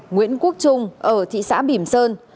nguyễn quốc trung ở thị xã bỉm sơn